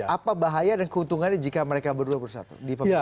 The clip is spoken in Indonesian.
apa bahaya dan keuntungannya jika mereka berdua bersatu